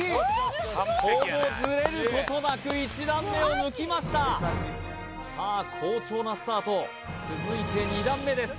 ほぼズレることなく１段目を抜きましたさあ好調なスタート続いて２段目です